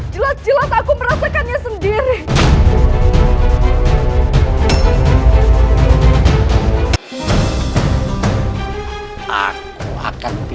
jelas jelas aku merasakannya sendiri